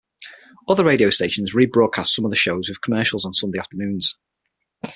Other radio stations rebroadcast some of the shows with commercials on Sunday afternoons.